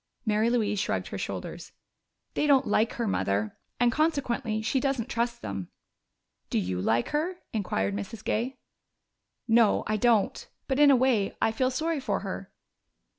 Mary Louise shrugged her shoulders. "They don't like her, Mother and consequently she doesn't trust them." "Do you like her?" inquired Mrs. Gay. "No, I don't. But in a way I feel sorry for her."